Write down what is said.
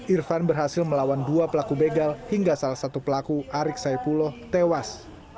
irfan berhasil melawan dua pelaku begal hingga salah satu pelaku arik saipuloh tewas